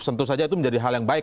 tentu saja itu menjadi hal yang baik